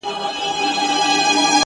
زه خپله مينه د آسمان و کنگرو ته سپارم!